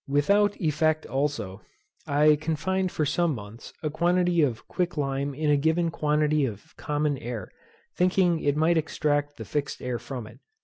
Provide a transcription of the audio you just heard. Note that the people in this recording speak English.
Without effect, also, I confined for some months, a quantity of quick lime in a given quantity of common air, thinking it might extract the fixed air from it.